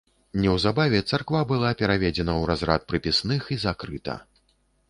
Неўзабаве царква была пераведзена ў разрад прыпісных і закрыта.